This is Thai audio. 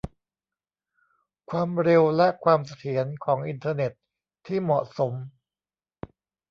ความเร็วและความเสถียรของอินเทอร์เน็ตที่เหมาะสม